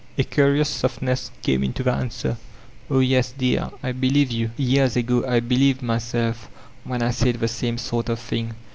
'' A curious softness came into the answer: ''Oh, yes, dear, I believe you. Years ago I believed myself when I nid the same sort of thing.